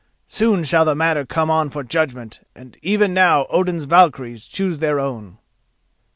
Soon shall the matter come on for judgment and even now Odin's Valkyries[*] choose their own."